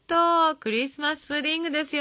クリスマス・プディングですよ